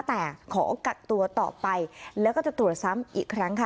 แต่ขอกักตัวต่อไปแล้วก็จะตรวจซ้ำอีกครั้งค่ะ